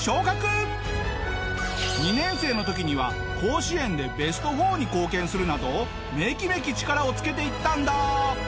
２年生の時には甲子園でベスト４に貢献するなどめきめき力をつけていったんだ！